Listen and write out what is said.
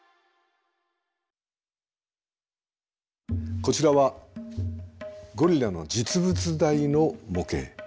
こちらはゴリラの実物大の模型。